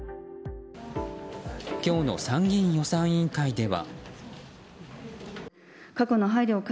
今日の参議院予算委員会では。